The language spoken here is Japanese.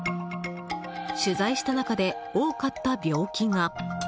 取材した中で多かった病気が。